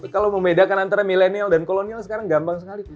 kalau membedakan antara milenial dan kolonial sekarang gampang sekali